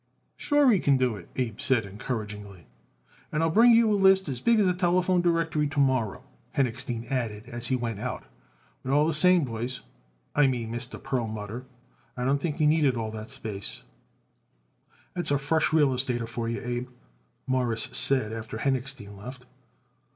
"Sure he can do it," Abe said encouragingly. "And I'll bring you a list as big as the telephone directory to morrow," Henochstein added as he went out. "But all the same, boys I mean Mr. Perlmutter I don't think you need it all that space." "That's a fresh real estater for you, Abe," Morris said after Henochstein left.